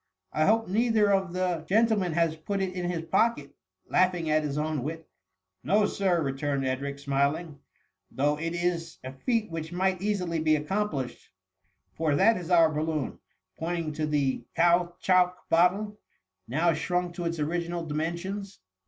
I hope neither of the gentlemen has put it in his pocket !" laughing at his own wit. THE MUMMY. 199 No, Sir,^' returned Edric, smiling, though it is a feat which might easily be accomplished, for that is our balloon,^ pointing to the caout chouc bottle, now shrunk to its original dimen sions.